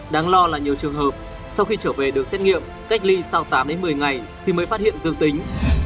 đáng lo là nhiều trường hợp sau khi trở về được xét nghiệm cách ly sau tám đến một mươi ngày thì mới phát hiện dương tính